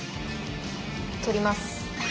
取ります。